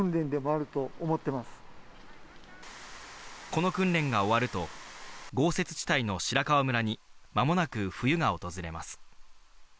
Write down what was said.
この訓練が終わると豪雪地帯の白川村に間もなく冬が訪れます。